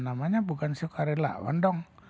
namanya bukan sukarelawan dong